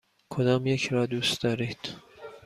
کدامیک را دوست دارید؟